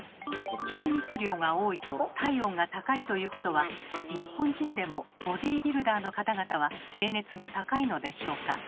筋肉量が多いと体温が高いということは日本人でもボディービルダーの方々は平熱が高いのでしょうか？